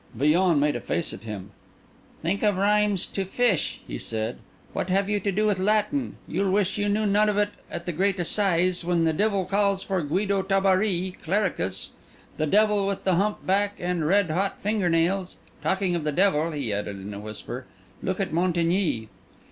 Villon made a face at him. "Think of rhymes to 'fish'," he said. "What have you to do with Latin? You'll wish you knew none of it at the great assizes, when the devil calls for Guido Tabary, clericus—the devil with the hump back and red hot finger nails. Talking of the devil," he added in a whisper, "look at Montigny!"